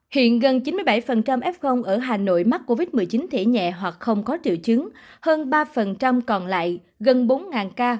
hiện gần chín mươi bảy f ở hà nội mắc covid một mươi chín thể nhẹ hoặc không có triệu chứng hơn ba còn lại gần bốn ca